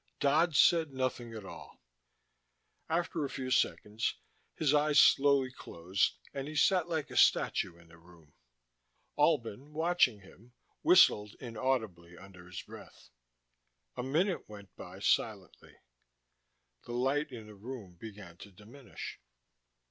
Dodd said nothing at all. After a few seconds his eyes slowly closed and he sat like a statue in the room. Albin, watching him, whistled inaudibly under his breath. A minute went by silently. The light in the room began to diminish.